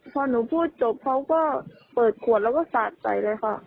พอหนูพูดจบเขาก็เปิดขวดแล้วก็สาดใส่เลยค่ะ